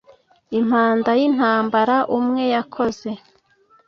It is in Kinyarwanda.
Impanda yintambara Umwe yakoze